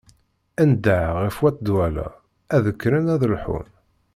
Ndeh ɣef wat Dwala ad kkren ad lḥun.